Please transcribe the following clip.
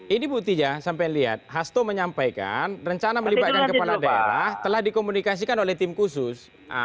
ini buktinya sampai lihat hasto menyampaikan rencana melibatkan kepala daerah telah dikomunikasikan oleh tim khusus